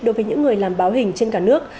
đối với những người làm báo hình trên cả nước